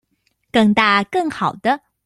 更大更好的